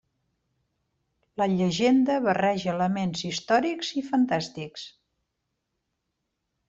La llegenda barreja elements històrics i fantàstics.